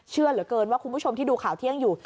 เชื่อเหลือเกินว่าคุณผู้ชมที่ดูข่าวเที่ยงอยู่